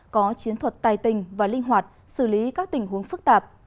có chiến thuật tài tình và linh hoạt xử lý các tình huống phức tạp